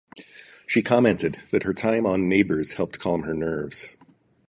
She commented that her time on "Neighbours" helped calm her nerves.